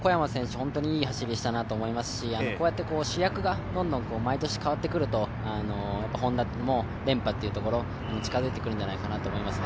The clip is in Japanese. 本当にいい走りをしたと思いますしこうやって主役がどんどん毎年変わってくるとＨｏｎｄａの連覇というところに近づいてくるんじゃないかと思いますね。